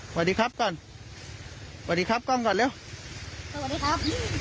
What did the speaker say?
สวัสดีครับก่อนสวัสดีครับกล้องก่อนเร็วสวัสดีครับ